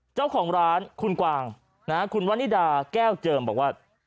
เจ้าของร้านคุณกวางคุณวันนิดาแก้วเจิมบอกว่า